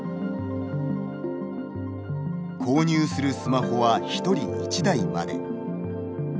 購入するスマホは一人一台まで。